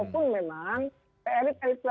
mbak puan hari ini elektabitesnya masih rendah